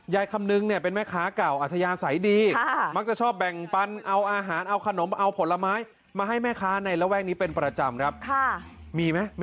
ยายคำนึงนี่เป็นแม่ค้าก่ออาทยายาใส่ดี